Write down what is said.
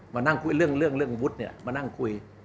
มานั่งคุยเรื่องวุฒิมานั่งคุย